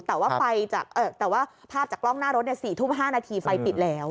แต่ว่าภาพจากกล้องหน้ารถ๔ทุ่ม๕นาทีไฟปิดแล้ว